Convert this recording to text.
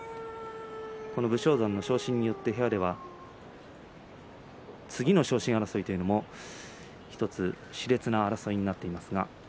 武将山の昇進によって部屋では次の昇進争いというのもしれつな争いになっています。